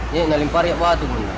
ini ngelempari batu